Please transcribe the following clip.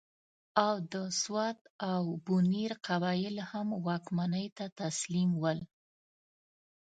او د سوات او بنیر قبایل یې هم واکمنۍ ته تسلیم ول.